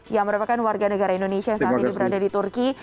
yang merupakan warga negara indonesia yang berada di turki